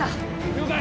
了解